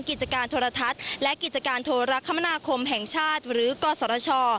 กิจการโทรทัศน์และกิจการโทรคมนาคมแห่งชาติหรือกศช